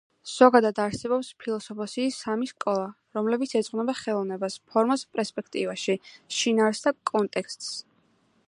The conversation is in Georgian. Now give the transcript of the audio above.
ზოგადად არსებობს ფილოსოფიის სამი სკოლა, რომლებიც ეძღვნება ხელოვნებას, ფორმას პერსპექტივაში, შინაარსს და კონტექსტს.